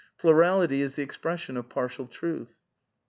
Plurality is the expression oj/ partial truth.